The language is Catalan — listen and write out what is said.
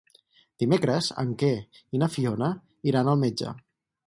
Dimecres en Quer i na Fiona iran al metge.